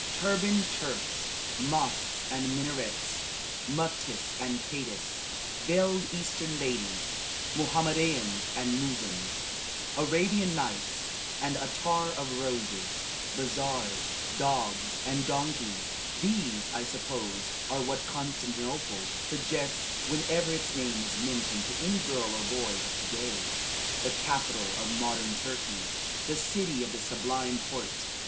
Turbaned Turks, mosques and minarets, muftis and cadis, veiled eastern ladies, Mohammedains and muezzins, Arabian Nights and attar of roses, bazars, dogs, and donkeys these, I suppose, are what Constantinople suggests whenever its name is mentioned to any girl or boy of to day, the capital of modern Turkey, the city of the Sublime Porte.